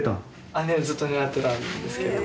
あっずっと狙ってたんですけど。